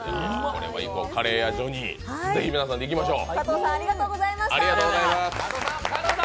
カレー屋ジョニー、是非皆さんいきましょう。